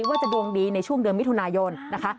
ว่าจะดวงดีในช่วงเดือนมิถุนายนนะคะ